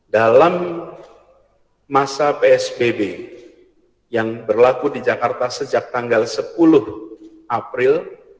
dalam masa psbb yang berlaku di jakarta sejak tanggal sepuluh april